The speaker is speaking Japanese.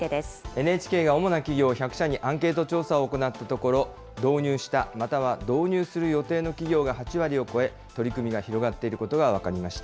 ＮＨＫが主な企業１００社にアンケート調査を行ったところ、導入したまたは導入する予定の企業が８割を超え、取り組みが広がっていることが分かりました。